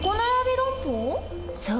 そう。